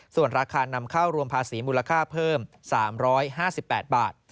ส่วนราคานำเข้ารวมภาษีมูลค่าเพิ่ม๓๕๘บาท